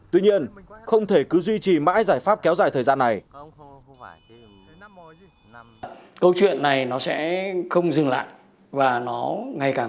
tuy nhiên không thể cứ duy trì mãi giải pháp kéo dài thời gian này